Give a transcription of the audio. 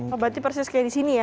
mbak bati persis kayak disini ya